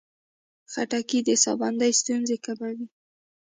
خټکی د ساه بندي ستونزې کموي.